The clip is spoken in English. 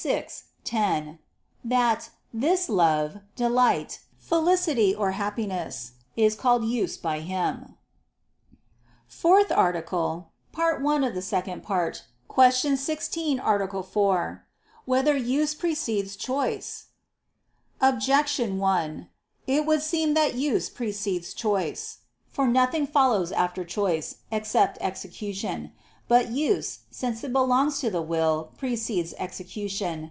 vi, 10) that "this love, delight, felicity, or happiness, is called use by him." ________________________ FOURTH ARTICLE [I II, Q. 16, Art. 4] Whether Use Precedes Choice? Objection 1: It would seem that use precedes choice. For nothing follows after choice, except execution. But use, since it belongs to the will, precedes execution.